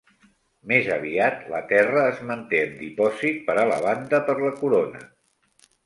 Més aviat, la terra es manté en dipòsit per a la banda per la Corona.